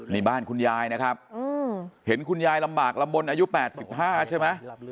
นี่บ้านคุณยายนะครับเห็นคุณยายลำบากลำบลอายุ๘๕ใช่ไหม